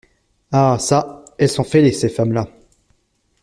Ah ! ça, elles sont fêlées, ces femmes-là !